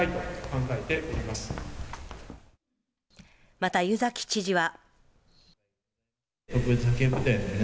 また、湯崎知事は。